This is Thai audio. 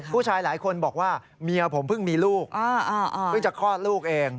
ผู้ชายหลายคนบอกว่าเมียผมเพิ่งมีลูกเพิ่งจะคลอดลูกเอง